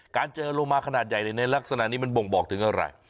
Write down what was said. การเจอโลมาขนาดใหญ่ในลักษณะนี้มันบ่งบอกถึงอะไร